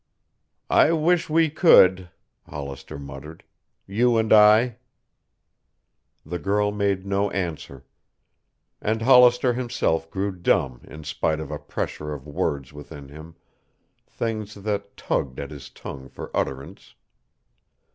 "I wish we could," Hollister muttered. "You and I." The girl made no answer. And Hollister himself grew dumb in spite of a pressure of words within him, things that tugged at his tongue for utterance.